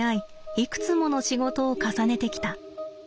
いくつもの仕事を重ねてきた。